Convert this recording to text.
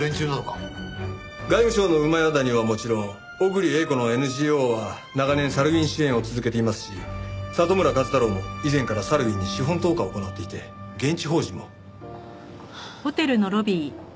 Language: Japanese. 外務省の谷はもちろん尾栗江威子のＮＧＯは長年サルウィン支援を続けていますし里村壱太郎も以前からサルウィンに資本投下を行っていて現地法人も。